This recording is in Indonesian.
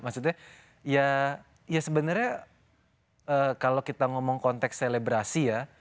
maksudnya ya sebenarnya kalau kita ngomong konteks selebrasi ya